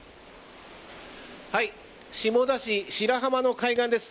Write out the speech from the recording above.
下田市白浜の海岸です。